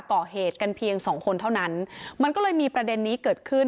ก่อเหตุกันเพียงสองคนเท่านั้นมันก็เลยมีประเด็นนี้เกิดขึ้น